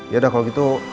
yaudah kalau gitu